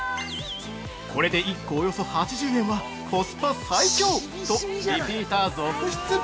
「これで１個およそ８０円はコスパ最強！」とリピーター続出。